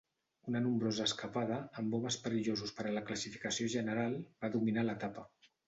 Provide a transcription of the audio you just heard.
Una nombrosa escapada, amb homes perillosos per a la classificació general va dominar l'etapa.